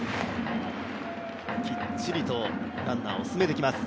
きっちりとランナーを進めてきます。